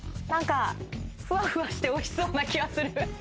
何かフワフワしておいしそうな気はする。